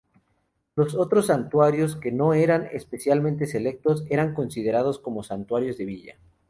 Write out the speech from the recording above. Los otros santuarios que no eran "especialmente selectos" eran considerados como "santuarios de villa".